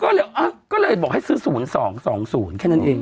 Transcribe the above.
เลขเดียวกันหมดก็เลยบอกให้ซื้อ๐๒๒๐แค่นั้นเอง